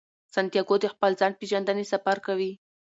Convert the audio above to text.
سانتیاګو د خپل ځان پیژندنې سفر کوي.